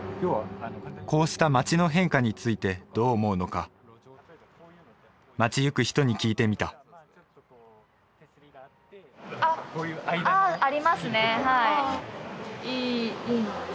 こうした街の変化についてどう思うのか街行く人に聞いてみたあっあ